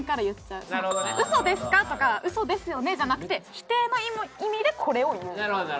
「嘘ですか？」とか「嘘ですよね？」じゃなくて否定の意味でこれを言うのかな？